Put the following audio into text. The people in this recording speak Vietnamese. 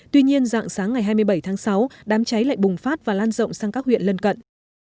tuy nhiên dạng sáng ngày hai mươi bảy tháng sáu đám cháy lại bùng phát và lan rộng sang các huyện lân cận